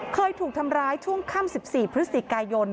เคยถูกทำร้ายช่วงค่ำ๑๔พฤศจิกายน